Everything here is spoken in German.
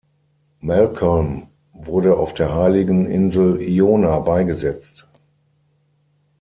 Malcolm wurde auf der heiligen Insel Iona beigesetzt.